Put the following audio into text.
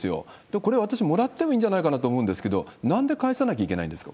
これ、私もらってもいいんじゃないかなと思うんですけど、なんで返さなきゃいけないんですか？